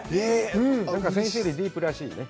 先週よりディープらしいね？